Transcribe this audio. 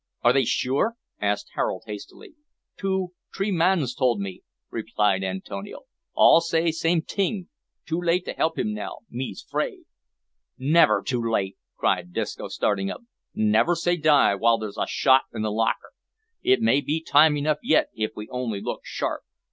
Are they sure?" asked Harold hastily. "Two, t'ree mans tole me," replied Antonio. "All say same ting. Too late to help him now, me's 'fraid." "Never say too late," cried Disco, starting up; "never say die while there's a shot in the locker. It may be time enough yet if we only look sharp.